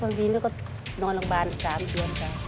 ตอนนี้ก็นอนโรงพยาบาลอีก๓ปีก่อนค่ะ